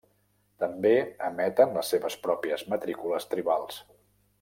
També emeten les seves pròpies matrícules tribals.